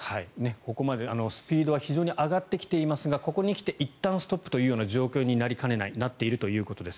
ここまでスピードは非常に上がってきていますがここにきて、いったんストップという状況になりかねないなっているということです。